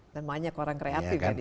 dan banyak orang kreatif ya di jogja